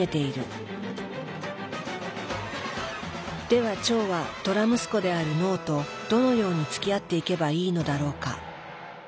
では腸はドラ息子である脳とどのようにつきあっていけばいいのだろうか？